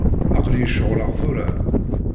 Aql-iyi ceɣleɣ tura.